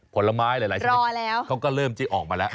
ผลไม้หรืออะไรใช่ไหมเขาก็เริ่มจิ๊กออกมาแล้วรอแล้ว